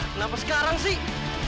eh mah kenapa sekarang sih